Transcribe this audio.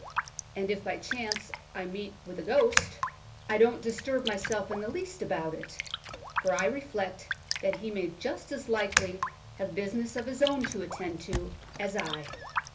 And if by chance I meet with a ghost, I don't disturb myself in the least about it, for I reflect that he may just as likely have business of his own to attend to as I.